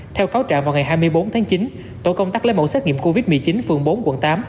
theo cáo trạng vào ngày hai mươi bốn tháng chín tổ công tác lấy mẫu xét nghiệm covid một mươi chín phường bốn quận tám